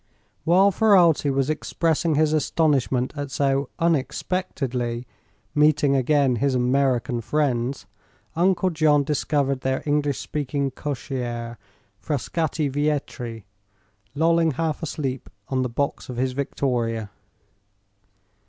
While Ferralti was expressing his astonishment at so "unexpectedly" meeting again his American friends, Uncle John discovered their English speaking cocchiere, Frascatti Vietri, lolling half asleep on the box of his victoria.